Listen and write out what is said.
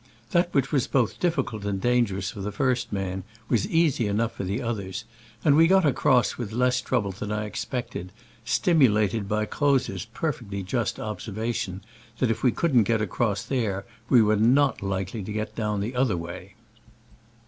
That which was both difficult and dangerous for the first man was easy enough for the others, and we got across with less trouble than I expected, stimulated by Croz's perfect ly just observation, that if we couldn't get across there we were not hkely to get down the other way.